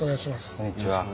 こんにちは。